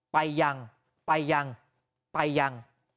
ไปยังไปยังไปยัง